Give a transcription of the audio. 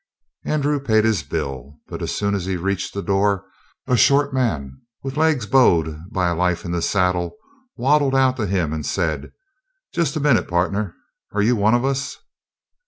Andrew paid his bill, but as he reached the door a short man with legs bowed by a life in the saddle waddled out to him and said: "Just a minute, partner. Are you one of us?"